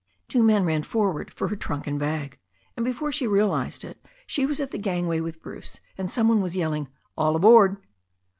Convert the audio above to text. Two men ran forward for her trunk and bag, and before she realized it she was at the gangway with Bruce, and somo one was yelling, "All aboard."